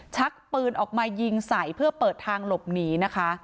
ชักปืนออกมายิงใส่เพื่อเปิดทางหลบหนีนะคะ